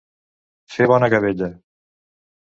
Fer bona gavella.